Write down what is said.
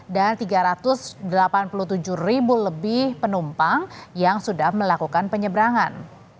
dan tiga ratus delapan puluh tujuh ribu lebih penumpang yang sudah melakukan penyebrangan